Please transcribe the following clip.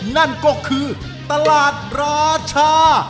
นั่นก็คือตลาดราชา